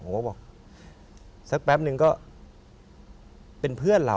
เขาบอกสักแป๊บนึงก็เป็นเพื่อนเรา